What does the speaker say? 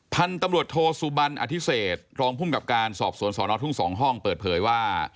พันธุ์ตำรวจโทสุบันอธิเศษรองภูมิกับการสอบสวนสอนอทุ่ง๒ห้องเปิดเผยว่า